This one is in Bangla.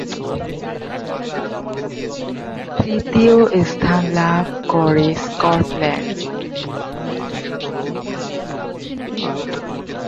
তৃতীয় স্থান লাভ করে স্কটল্যান্ড।